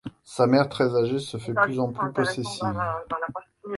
Sa mère très âgée se fait de plus en plus possessive.